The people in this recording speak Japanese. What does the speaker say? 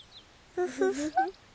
ウフフフ。